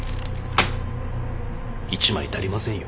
１枚足りませんよ。